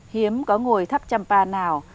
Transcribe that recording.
hiếm có ngồi tháp trầm pa nào